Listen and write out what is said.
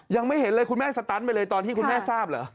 ยังไม่เห็นเลยคุณแม่สตันไปเลยตอนที่คุณแม่ทราบเหรอ